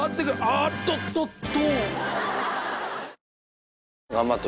あっとっとっと。